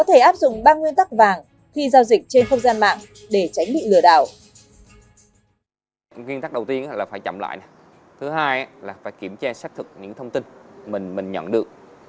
thứ ba là phải kiểm tra xác thực những thông tin mình nhận được